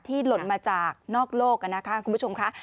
ที่หล่นมาจากนอกโลกนะครับคุณผู้ชมคะ